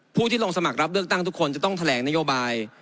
ผู้ที่ลงสมัครรับเลือกตั้งทุกคนจะต้องแถลงนโยบาย